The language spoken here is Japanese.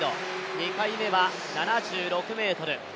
２回目は７６ｍ。